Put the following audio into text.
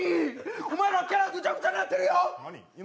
お前らキャラぐちゃぐちゃになってるよ。